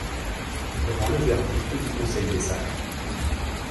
Il rend le verdict du Conseil des Sages.